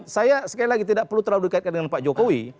saya sekali lagi tidak perlu terlalu dikaitkan dengan pak jokowi